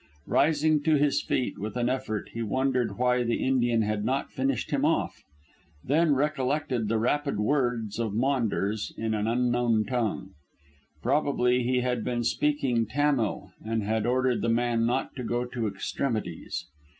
Rising to his feet with an effort he wondered why the Indian had not finished him off, then recollected the rapid words of Maunders in an unknown tongue. Probably he had been speaking Tamil and had ordered the man not to go to extremities.